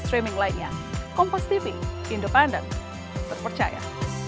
selama dilakukan observasi wajib untuk dijaga juga